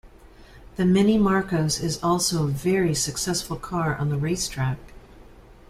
The Mini Marcos is also a very successful car on the race track.